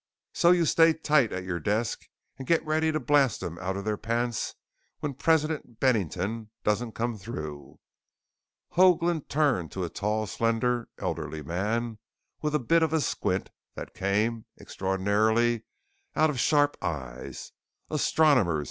"So you stay tight at your desk and get ready to blast 'em out of their pants when President Bennington doesn't come through." Hoagland turned to a tall, slender, elderly man with a bit of a squint that came, extraordinarily, out of sharp eyes. "Astronomers!"